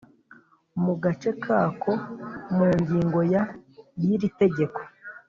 mu gace ka ko mu ngingo ya y’iri tegeko